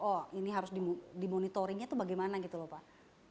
oh ini harus dimonitoringnya bagaimana gitu pak